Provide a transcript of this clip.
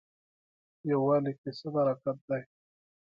یووالي کې څه برکت دی؟